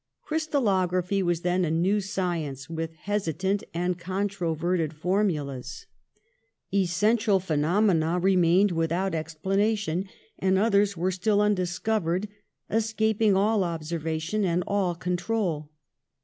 Crystalography was then a new science, with hesitant and controverted formulas. Essen tial phenomena remained without explanation, and others were still undiscovered, escaping all observation and all control.